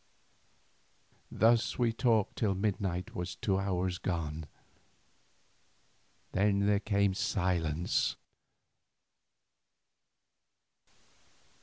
Thus we talked till midnight was two hours gone. Then there came a silence.